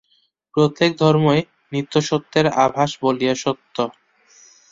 প্রত্যেক ধর্মই নিত্য সত্যের আভাস বলিয়া সত্য।